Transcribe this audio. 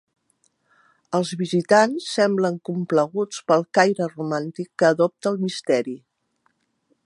Els visitants semblen complaguts pel caire romàntic que adopta el misteri.